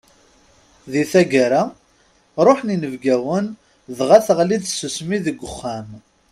Di tagara, ruḥen inebgawen, dɣa teɣlid tsusmi deg uxxam.